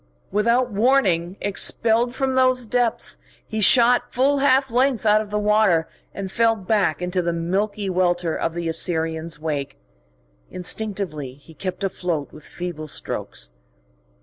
Without warning expelled from those depths, he shot full half length out of water, and fell back into the milky welter of the Assyrian's wake. Instinctively he kept afloat with feeble strokes.